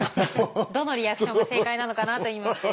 どのリアクションが正解なのかなと。